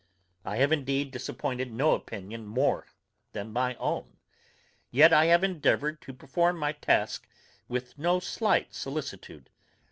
I have indeed disappointed no opinion more than my own; yet I have endeavoured to perform my task with no slight solicitude.